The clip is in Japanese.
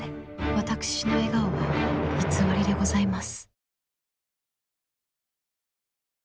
私の笑顔は偽りでございます。